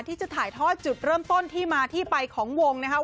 ที่จะถ่ายทอดจุดเริ่มต้นที่มาที่ไปของวงนะครับ